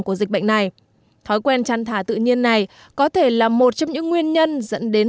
của dịch bệnh này thói quen chăn thả tự nhiên này có thể là một trong những nguyên nhân dẫn đến